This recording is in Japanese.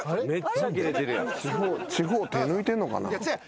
地方手抜いてんのかな。